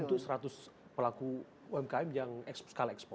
untuk seratus pelaku umkm yang sekali ekspor